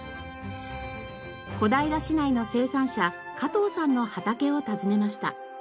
小平市内の生産者加藤さんの畑を訪ねました。